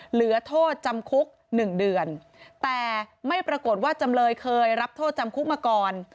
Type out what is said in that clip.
เหลือโทษจำคุกหนึ่งเดือนแต่ไม่ปรากฏว่าจำเลยเคยรับโทษจำคุกมาก่อน